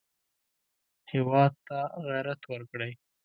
هېواد ته غیرت ورکړئ